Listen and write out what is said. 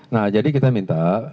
nah jadi kita minta